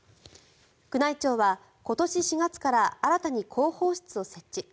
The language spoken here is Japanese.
宮内庁は今年４月から新たに広報室を設置。